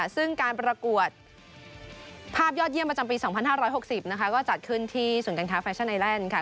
ซึ่งการประกวดภาพยอดเยี่ยมประจำปี๒๕๖๐นะคะก็จัดขึ้นที่ศูนย์การค้าแฟชั่นไอแลนด์ค่ะ